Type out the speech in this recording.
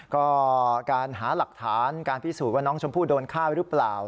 ก็การหาหลักฐานการพิสูจน์ว่าน้องชมพู่โดนฆ่าหรือเปล่า